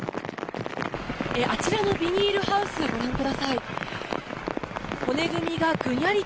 あちらのビニールハウスご覧ください。